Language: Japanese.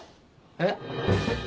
えっ？